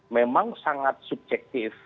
memang sangat subjektif